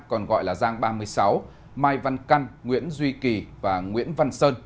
còn gọi là giang ba mươi sáu mai văn căn nguyễn duy kỳ và nguyễn văn sơn